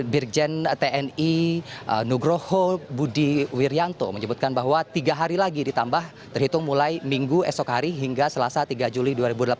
birjen tni nugroho budi wiryanto menyebutkan bahwa tiga hari lagi ditambah terhitung mulai minggu esok hari hingga selasa tiga juli dua ribu delapan belas